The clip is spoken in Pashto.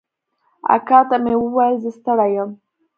اکا ته مې وويل زه ستړى يم.